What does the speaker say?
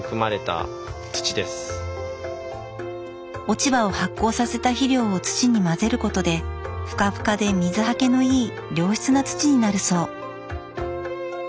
落ち葉を発酵させた肥料を土に混ぜることでフカフカで水はけのいい良質な土になるそう。